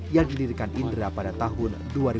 yang didirikan indra pada tahun dua ribu dua